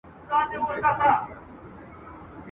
چي شاگرد وي چي مکتب چي معلمان وي ..